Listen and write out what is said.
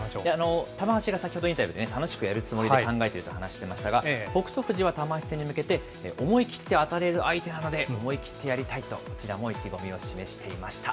玉鷲が先ほどインタビューでね、楽しくやるつもりで考えていると、話していましたが、北勝富士は玉鷲戦に向けて思い切って当たれる相手なので、思い切ってやりたいと、こちらも意気込みを示していました。